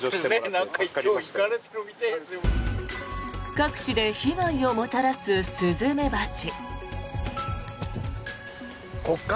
各地で被害をもたらすスズメバチ。